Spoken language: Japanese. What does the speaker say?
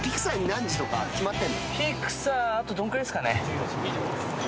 ピクサーあとどんくらいですかね？